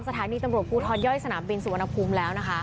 สถานีตำรวจภูทรย่อยสนามบินสุวรรณภูมิแล้วนะคะ